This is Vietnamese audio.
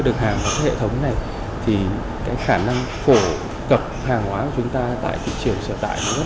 được hàng vào cái hệ thống này thì cái khả năng phổ cập hàng hóa của chúng ta tại thị trường sở tại nó rất